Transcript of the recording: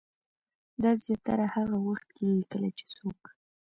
دا زياتره هاغه وخت کيږي کله چې څوک